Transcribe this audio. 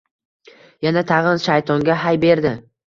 Yana-tag‘in, shaytonga hay berdi.